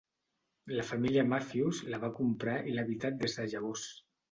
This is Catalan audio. La família Matthews la va comprar i l'ha habitat des de llavors.